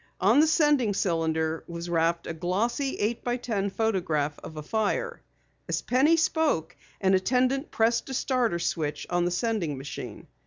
On the sending cylinder was wrapped a glossy 8 by 10 photograph of a fire. As Penny spoke, an attendant pressed a starter switch on the sending machine.